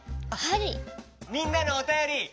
みんなのおたより。